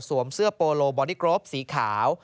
เสื้อโปโลบอดี้กรฟสีขาว